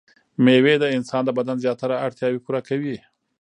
مېوې د انسان د بدن زياتره اړتياوې پوره کوي.